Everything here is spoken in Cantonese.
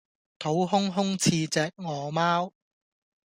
肚空空似隻餓貓